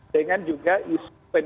dengan juga isu peniagaan